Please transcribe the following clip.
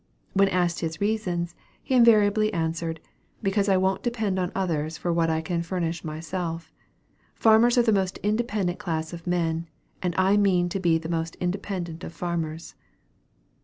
When asked his reasons, he invariably answered, "Because I won't depend on others for what I can furnish myself. Farmers are the most independent class of men; and I mean to be the most independent of farmers."